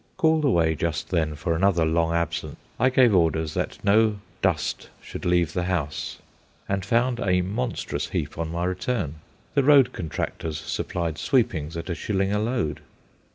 Called away just then for another long absence, I gave orders that no "dust" should leave the house; and found a monstrous heap on my return. The road contractors supplied "sweepings" at a shilling a load.